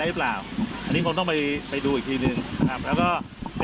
แต่ก็เป็นบทเรียนสำคัญมากมากเลยอ่ะที่ต้องไปควบควรสบวนการนะ